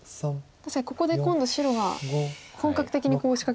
確かにここで今度白が本格的にコウを仕掛けることが。